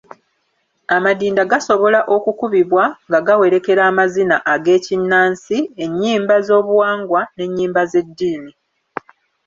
Amadinda gasobola okukubibwa nga gawerekera amazina ag’ekinnansi, ennyimba z’obuwangwa n’ennyimba z’eddiini.